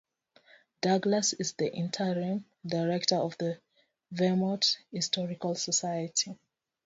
Douglas is the interim director of the Vermont Historical Society.